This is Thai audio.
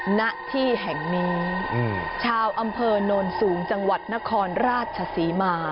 ณที่แห่งนี้ชาวอำเภอโนนสูงจังหวัดนครราชศรีมา